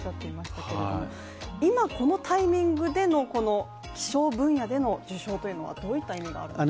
今このタイミングでの気象分野での受賞というのはどういう意味があるんですか？